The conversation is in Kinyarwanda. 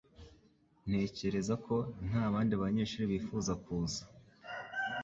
Ntekereza ko nta bandi banyeshuri bifuza kuza